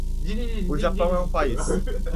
O Japão é um país.